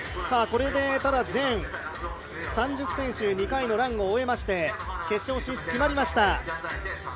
これで全３０選手２回のランを終えまして決勝進出が決まりました。